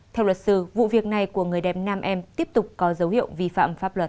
theo luật sư vụ việc này của người đẹp nam em tiếp tục có dấu hiệu vi phạm pháp luật